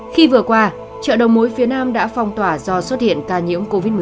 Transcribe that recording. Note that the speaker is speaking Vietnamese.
khi vừa qua chợ đầu mối phía nam đã phong tỏa do xuất hiện ca nhiễm covid một mươi chín